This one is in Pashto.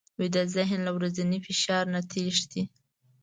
ویده ذهن له ورځني فشار نه تښتي